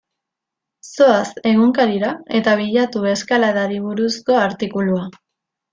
Zoaz egunkarira eta bilatu eskaladari buruzko artikulua.